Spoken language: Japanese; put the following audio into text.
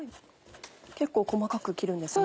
結構細かく切るんですね。